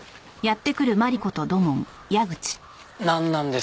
なんなんですか？